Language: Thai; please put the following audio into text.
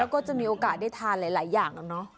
แล้วก็จะมีโอกาสได้ทานหลายอย่างแล้วเนอะ